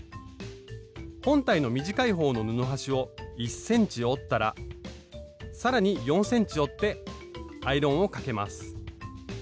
本体の短い方の布端を１ｃｍ折ったら更に４ｃｍ折ってアイロンをかけます